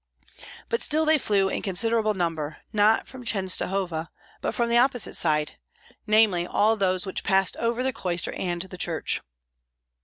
But still they flew in considerable number, not from Chenstohova, but from the opposite side; namely, all those which passed over the cloister and the church.